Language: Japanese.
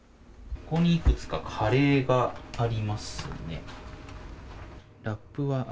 ここにいくつかカレーがあります。